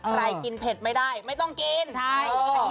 ใครกินเผ็ดไม่ได้ไม่ต้องกิน